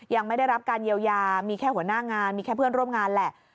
ยังไม่ได้รับการเยียวยามีแค่หัวหน้างานมีแค่เพื่อนร่วมงานแหละ